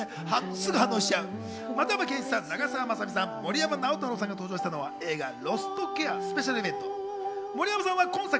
松山ケンイチさん、長澤まさみさん、森山直太朗さんが登場したのは映画『ロストケア』スペシャルイベント。